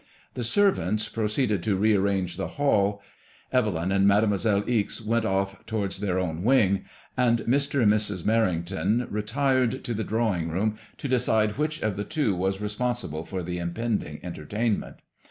The servants proceeded to rearrange the hall; Evelyn and Mademoiselle Ixe went off to MADBMOISBLLS IXS. 87 wards their own wing ; and Mr. and Mrs. Merrington retired to the drawing room to decide which of the two was responsible for the impending entertiainment.